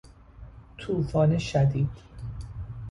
توفان شدید